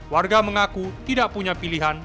warga mengaku tidak punya pilihan